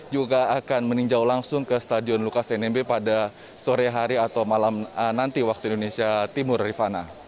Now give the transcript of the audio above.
juga akan meninjau langsung ke stadion lukas nmb pada sore hari atau malam nanti waktu indonesia timur rifana